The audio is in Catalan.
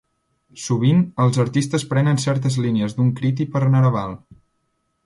Sovint, els artistes prenen certes línies d'un Krithi per "neraval".